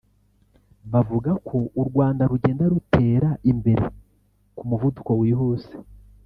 bavuga ko u Rwanda rugenda rutera imbere ku muvuduko wihuse